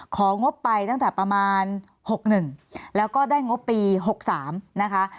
งบไปตั้งแต่ประมาณ๖๑แล้วก็ได้งบปี๖๓นะคะ